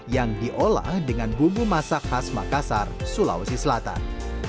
yang diolah dengan bumbu masak khas makassar sulawesi selatan